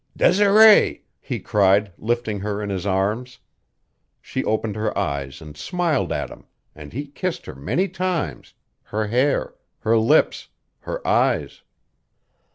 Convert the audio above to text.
"Desiree!" he cried, lifting her in his arms. She opened her eyes and smiled at him, and he kissed her many times her hair, her lips, her eyes.